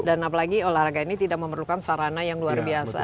dan apalagi olahraga ini tidak memerlukan sarana yang luar biasa